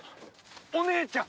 お姉ちゃん！